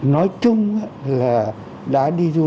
nói chung là